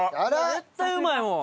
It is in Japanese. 絶対うまいもん！